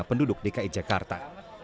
hanya penduduk dki jakarta